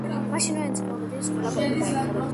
მაშინვე ენციკლოპედიის ყველა გვერდი დაიხურა.